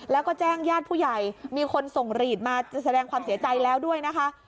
แล้วก็แจ้งญาติผู้ใหญ่มีคนส่งหลีดมาแสดงความเสียใจแล้วด้วยนะคะ